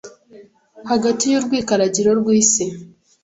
hagati y’urwikaragiro rw’isi